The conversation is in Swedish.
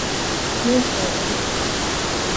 Nu sover vi.